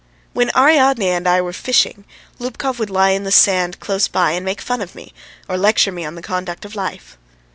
When Ariadne and I were fishing, Lubkov would lie on the sand close by and make fun of me, or lecture me on the conduct of life.